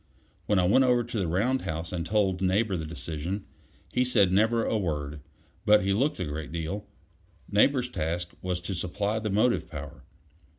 When I went over to the round house and told Neighbor the decision, he said never a word; but he looked a great deal. Neighbor's task was to supply the motive power.